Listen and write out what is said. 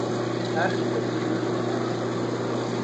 بخت به او روی کرد.